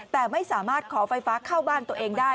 แต่ไม่สามารถขอไฟฟ้าเข้าบ้านตัวเองได้